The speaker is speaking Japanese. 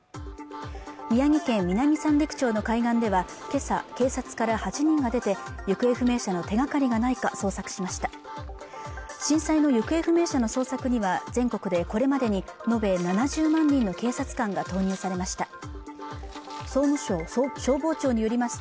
宮城県南三陸町の海岸では今朝警察から８人が出て行方不明者の手がかりがないか捜索しました震災の行方不明者の捜索には全国でこれまでに延べ７０万人の警察官が投入されました